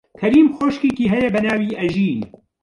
کەریم خوشکێکی هەیە بە ناوی ئەژین.